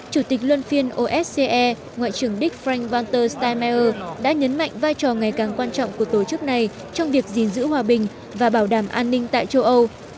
chủ tịch luân phiên osce ngoại trưởng đức frank vanter steinmeier đã nhấn mạnh vai trò ngày càng quan trọng của tổ chức này trong việc gìn giữ hòa bình và bảo đảm an ninh tại châu âu